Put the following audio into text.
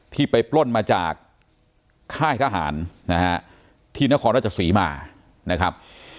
ที่ไปปล้นมาจากค่ายทหารนะฮะที่นครราชศรีมานะครับ